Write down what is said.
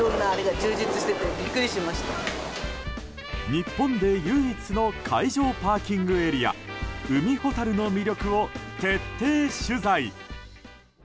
日本で唯一の海上パーキングエリア海ほたるの魅力を徹底取材！